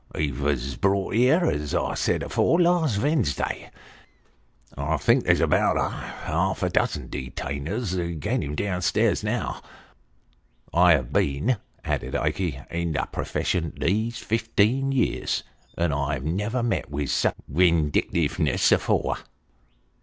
He vos brought here, as I said afore, last Vensday, and I think there's about ah, half a dozen detainers agin him down stairs now. I have been," added Ikey, " in the purfession these fifteen year, and I never met vith such windictiveness afore